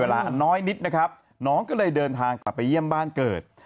อันน้อยนิดนะครับน้องก็เลยเดินทางกลับไปเยี่ยมบ้านเกิด